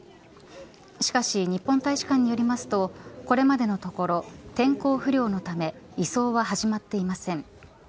しかし、日本大使館によりますとこれまでのところ天候不良のため移送は始まっていません。